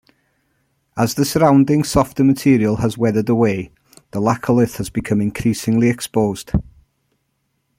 As the surrounding, softer material has weathered away, the laccolith has become increasingly exposed.